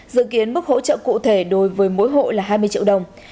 dự kiến mức hỗ trợ cụ thể đối với mỗi hộ là hai mươi triệu đồng